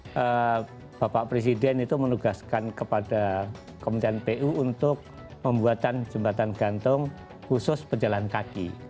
karena bapak presiden itu menugaskan kepada kementerian pu untuk membuatan jembatan gantung khusus pejalan kaki